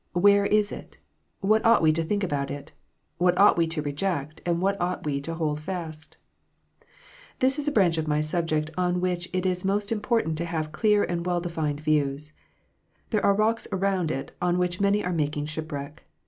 Where is it 1 What ought we to think about it 1 What ought we to reject, and what ought we to hold fast ? This is a branch of my subject on which it is most important to have clear and well defined views. There are rocks around it on which many are making shipwreck.